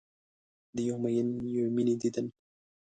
د یو میین یوې میینې دیدن